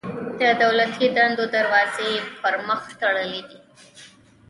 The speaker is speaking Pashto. د دولتي دندو دروازې یې پر مخ تړلي دي.